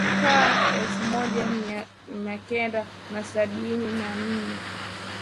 ka elfu moja miakenda na sabini na nne